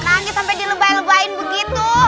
nangis sampai dilebai lebahin begitu